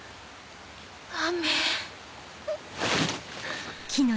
雨。